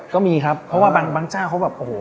ก็มีครับเพราะว่าบางเจ้าเขาแบบโอ้โห